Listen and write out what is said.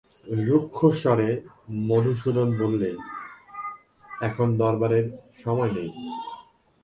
রুক্ষস্বরে মধুসূদন বললে, এখন দরবারের সময় নেই।